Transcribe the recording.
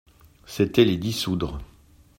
C'était les dissoudre.